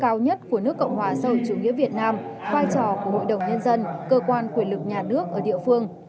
cơ quan quyền lực của nước cộng hòa sâu chủ nghĩa việt nam vai trò của hội đồng nhân dân cơ quan quyền lực nhà nước ở địa phương